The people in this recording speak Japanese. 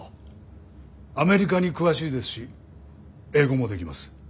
アメリカに詳しいですし英語もできます。